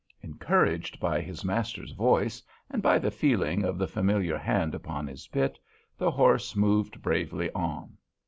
Encouraged by his master's voice, and by the feeling of the familiar hand upon his bit, the horse moved bravely on.